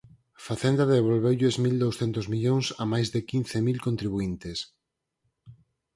Facenda devolveulles mil douscentos millóns a máis de quince mil contribuíntes